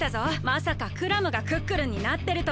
まさかクラムがクックルンになってるとは！